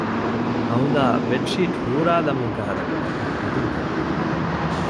ހައުލާ ބެޑްޝީޓް ހޫރާލަމުން ކަހަލަ ގޮތަކަށް އެނދުން ތެދުވި